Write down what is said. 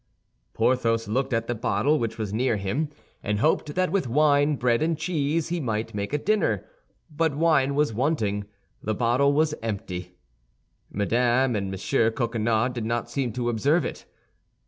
Porthos looked at the bottle, which was near him, and hoped that with wine, bread, and cheese, he might make a dinner; but wine was wanting, the bottle was empty. M. and Mme. Coquenard did not seem to observe it.